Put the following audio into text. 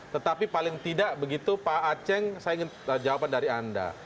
tetapi paling tidak begitu pak aceh saya ingin jawaban dari anda